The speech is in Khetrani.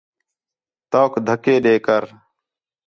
توک دَھکّے ݙے کر